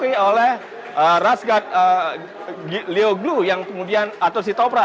teriuki oleh rasgat lioglu atau sitopra